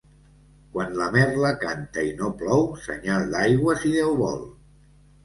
Quan la merla canta i no plou, senyal d'aigua si Déu vol.